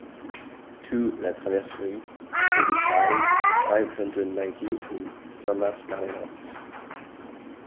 Two la Traverserie, eighty-five, five hundred ninety in Saint-Mars-la-Réorthe.